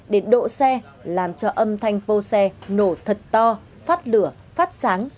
để độ xe làm cho âm thanh bô xe nổ thật to phát lửa phát sáng